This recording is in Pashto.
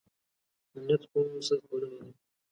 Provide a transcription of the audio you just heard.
امنیت خو سر خوړلی دی.